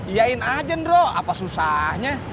iyain aja nro apa susahnya